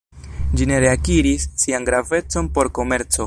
Ĝi ne reakiris sian gravecon por komerco.